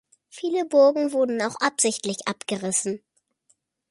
Viele Burgen wurden auch absichtlich abgerissen.